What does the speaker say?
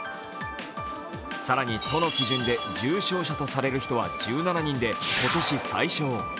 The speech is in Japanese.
更に都の基準で重症者とされる人は１７人で今年最少。